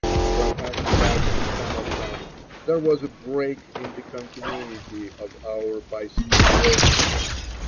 From Askabad to Samarkand there was a break in the continuity of our bicycle journey.